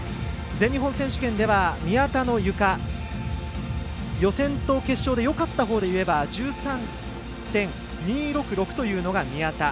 全日本選手権では宮田のゆか予選と決勝でよかったほうでいえば１３．２６６というのが宮田。